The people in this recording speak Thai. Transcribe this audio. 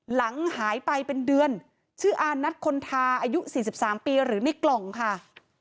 หลังหายไปเป็นเดือนชื่ออานัทคนทาอายุ๔๓ปีหรือในกล่องค่ะ